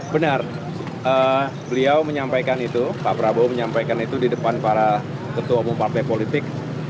benar beliau menyampaikan itu pak prabowo menyampaikan itu di depan para ketua umum partai politik